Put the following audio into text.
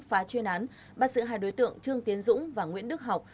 phá chuyên án bắt giữ hai đối tượng trương tiến dũng và nguyễn đức học